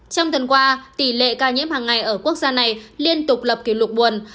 trong tuần qua tỷ lệ ca nhiễm hàng ngày ở quốc gia này liên tục lập kỷ lục buồn